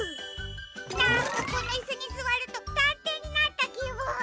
なんかこのイスにすわるとたんていになったきぶん。